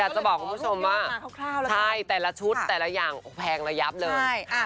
จะบอกคุณผู้ชมว่าใช่แต่ละชุดแต่ละอย่างแพงระยับเลย